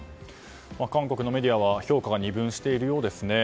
韓国のメディアは評価が二分しているようですね。